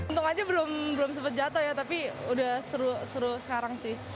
untung aja belum sempat jatuh ya tapi udah seru sekarang sih